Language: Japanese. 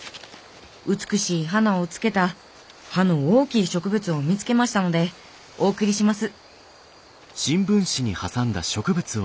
美しい花をつけた葉の大きい植物を見つけましたのでお送りします」。